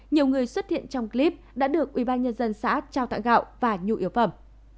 nhiều người xuất hiện trong clip đã được ubnd xã trao tặng gạo và nhu yếu phẩm